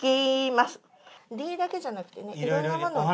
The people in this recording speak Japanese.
「Ｄ」だけじゃなくてねいろんなもの。